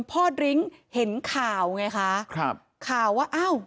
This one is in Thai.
ดริ้งเห็นข่าวไงคะครับข่าวว่าอ้าว